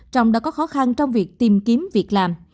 trọng đã có khó khăn trong việc tìm kiếm việc làm